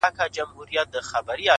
د زده کړې تنده پرمختګ چټکوي